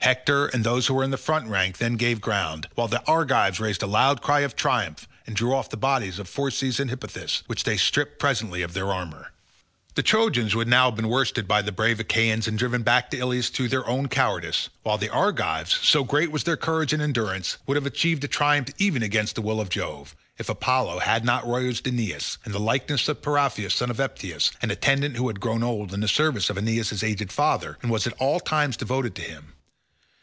Hector and those who were in the front rank then gave ground, while the Argives raised a loud cry of triumph, and drew off the bodies of Phorcys and Hippothous which they stripped presently of their armour. The Trojans would now have been worsted by the brave Achaeans and driven back to Ilius through their own cowardice, while the Argives, so great was their courage and endurance, would have achieved a triumph even against the will of Jove, if Apollo had not roused Aeneas, in the likeness of Periphas son of Epytus, an attendant who had grown old in the service of Aeneas' aged father, and was at all times devoted to him.